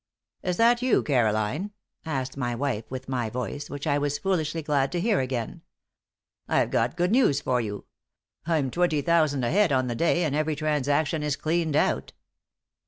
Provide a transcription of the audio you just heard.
"Is that you, Caroline?" asked my wife, with my voice, which I was foolishly glad to hear again. "I've got good news for you. I'm twenty thousand ahead on the day and every transaction is cleaned out."